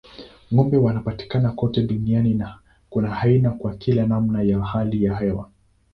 Ng'ombe wanapatikana kote duniani na kuna aina kwa kila namna ya hali ya hewa.